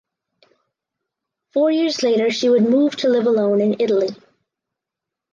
Four years later she would move to live alone in Italy.